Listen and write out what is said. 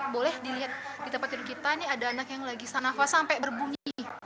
boleh dilihat di tempat tidur kita ini ada anak yang lagi sanafas sampai berbunyi